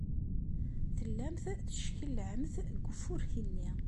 Tellamt teckellɛemt deg ufurk-nni.